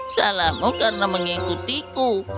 salahmu karena mengikutiku